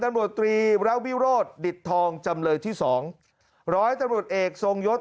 ตำรวจตรีระวิโรธดิตทองจำเลยที่สองร้อยตำรวจเอกทรงยศ